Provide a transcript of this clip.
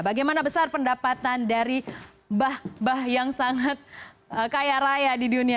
bagaimana besar pendapatan dari mbah yang sangat kaya raya di dunia